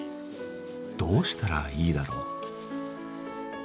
どうしたらいいだろう。